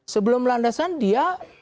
sebelum landasan dia